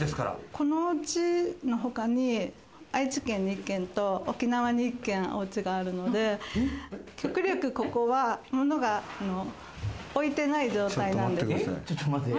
このおうちのほかに、愛知県に１軒と沖縄に１軒おうちがあるので極力ここは物が置いてない状態なんです。